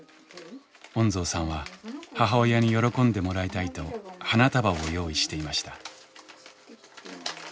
恩蔵さんは母親に喜んでもらいたいと花束を用意していました。